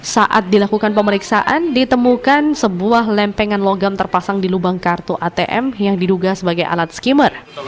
saat dilakukan pemeriksaan ditemukan sebuah lempengan logam terpasang di lubang kartu atm yang diduga sebagai alat skimmer